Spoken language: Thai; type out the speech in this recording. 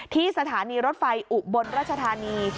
ที่สถานีรถไฟอุบลราชธานี